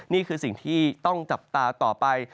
นี่คือสิ่งที่ต้องจับตาต่อไป